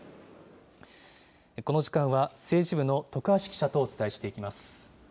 この時間は、政治部の徳橋記者とお伝えしていきます。